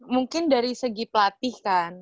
mungkin dari segi pelatih kan